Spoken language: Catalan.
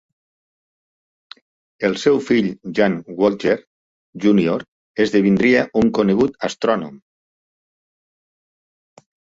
El seu fill Jan Woltjer Junior esdevindria un conegut astrònom.